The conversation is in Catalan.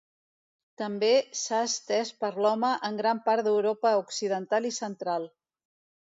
També s'ha estès per l'home en gran part d'Europa occidental i central.